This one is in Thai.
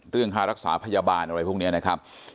ค่ารักษาพยาบาลอะไรพวกนี้นะครับ